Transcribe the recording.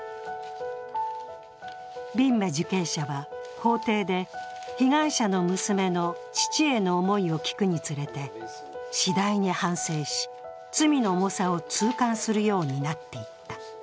ビンメ受刑者は法廷で被害者の娘の父への思いを聞くにつれて次第に反省し、罪の重さを痛感するようになっていった。